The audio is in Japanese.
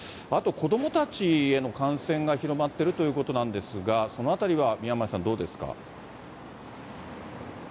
あと子どもたちへの感染が広まっているということなんですが、そのあたりは宮前さん、どうですか。